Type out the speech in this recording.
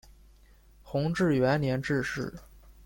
弘治元年致仕。